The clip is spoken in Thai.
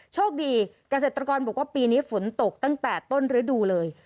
โชคดีเกษตรกรบอกว่าปีนี้ฝนตกตั้งแต่ต้นฤดูเลย